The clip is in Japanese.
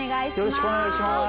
よろしくお願いします。